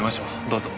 どうぞ。